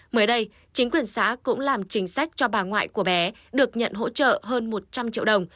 mới đây chính quyền xã cũng làm chính sách cho bà ngoại của bé được nhận hỗ trợ hơn một trăm linh triệu đồng